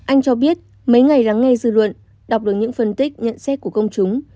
anh cho biết mấy ngày lắng nghe dư luận đọc được những phân tích nhận xét của công chúng